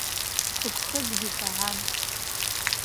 Сыԥхыӡгьы саӷан.